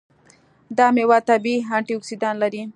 دا میوه طبیعي انټياکسیدان لري.